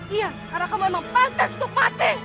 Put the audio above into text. iya karena kau memang pantes untuk mati